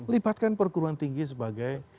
lipatkan perguruan tinggi sebagai